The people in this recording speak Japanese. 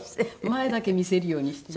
前だけ見せるようにして。